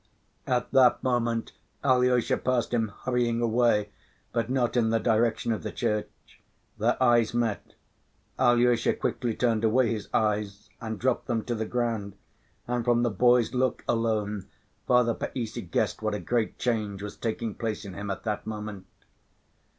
At that moment Alyosha passed him, hurrying away, but not in the direction of the church. Their eyes met. Alyosha quickly turned away his eyes and dropped them to the ground, and from the boy's look alone, Father Païssy guessed what a great change was taking place in him at that moment.